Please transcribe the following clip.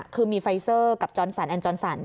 คือมีไฟเซอร์กับจอนสันแอนจรสัน